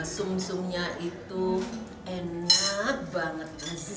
sum sumnya itu enak banget